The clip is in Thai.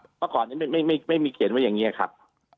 เมื่อก่อนนี้ไม่มีเขียนไว้อย่างนี้ครับ